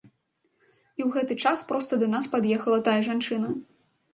І ў гэты час проста да нас пад'ехала тая жанчына.